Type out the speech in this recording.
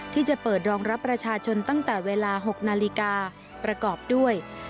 ที่จะเปิดรองรับประชาชนตั้งแต่เวลา๖นาฬิกาประกอบด้วย